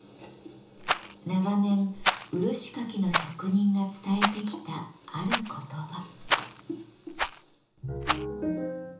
長年漆かきの職人が伝えてきたある言葉。